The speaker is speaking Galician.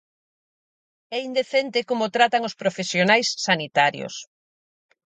É indecente como tratan os profesionais sanitarios.